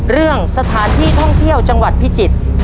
เรื่องสถานที่ท่องเที่ยวจังหวัดพิจิตร